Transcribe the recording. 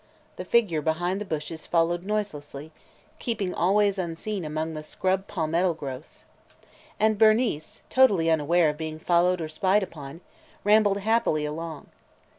The figure behind the bushes followed noiselessly, keeping always unseen among the scrub palmetto growths. And Bernice, totally unaware of being followed or spied upon, rambled happily along.